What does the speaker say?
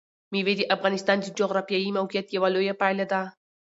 مېوې د افغانستان د جغرافیایي موقیعت یوه لویه پایله ده.